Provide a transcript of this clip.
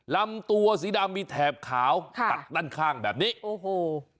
ลำตัวสีดำมีแถบขาวตัดด้านข้างแบบนี้โอ้โห